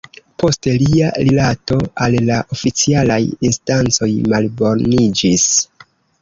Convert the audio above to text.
Poste lia rilato al la oficialaj instancoj malboniĝis.